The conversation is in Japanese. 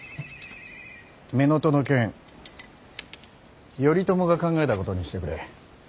乳母父の件頼朝が考えたことにしてくれ。